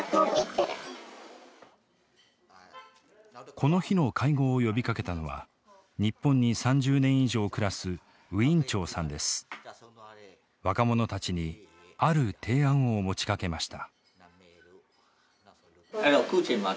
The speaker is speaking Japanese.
この日の会合を呼びかけたのは日本に３０年以上暮らす若者たちにある提案を持ちかけました。